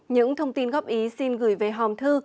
những thông tin góp ý xin gửi về hòm thư